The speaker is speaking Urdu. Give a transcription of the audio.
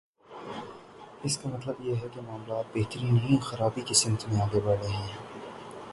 اس کا مطلب یہ ہے کہ معاملات بہتری نہیں، خرابی کی سمت میں آگے بڑھ رہے ہیں۔